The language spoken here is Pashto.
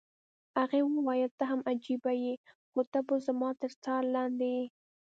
هغې وویل: ته هم عجبه يې، خو ته به زما تر څار لاندې یې.